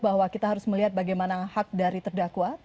bahwa kita harus melihat bagaimana hak dari terdakwa